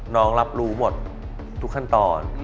น้องรับรู้หมดทุกขั้นตอน